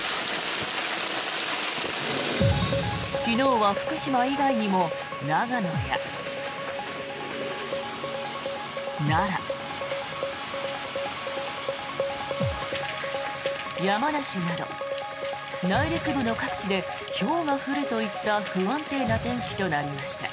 昨日は福島以外にも長野や奈良、山梨など内陸部の各地でひょうが降るといった不安定な天気となりました。